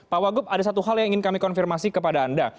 pak wagub ada satu hal yang ingin kami konfirmasi kepada anda